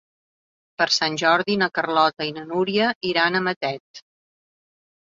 Per Sant Jordi na Carlota i na Núria iran a Matet.